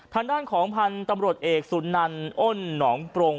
ทางด้านของพันธุ์ตำรวจเอกสุนันอ้นหนองปรง